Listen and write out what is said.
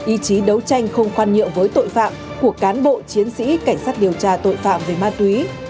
ý chí đấu tranh không khoan nhượng với tội phạm của cán bộ chiến sĩ cảnh sát điều tra tội phạm về ma túy